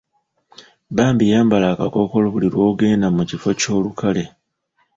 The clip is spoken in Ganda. Bambi yambala akakkookolo buli lw'ogenda mu kifo ky'olukale.